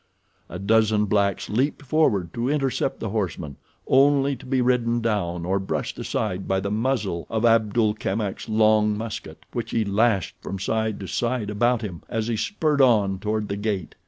A dozen blacks leaped forward to intercept the horseman, only to be ridden down or brushed aside by the muzzle of Abdul Kamak's long musket, which he lashed from side to side about him as he spurred on toward the gate.